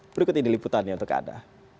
berikut ini liputannya untuk anda